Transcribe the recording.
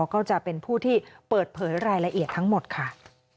ก็จะเป็นผู้ที่เปิดเผยรายละเอียดทั้งหมดค่ะ